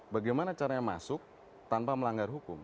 bagaimana caranya masuk tanpa melanggar hukum